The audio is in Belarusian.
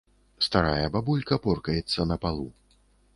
Старая бабулька поркаецца на палу.